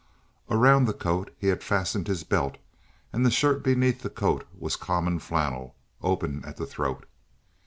Around the coat he had fastened his belt, and the shirt beneath the coat was common flannel, open at the throat.